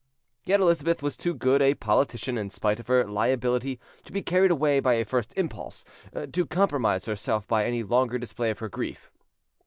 Yet Elizabeth was too good a politician, in spite of her liability to be carried away by a first impulse, to compromise herself by a longer display of her grief.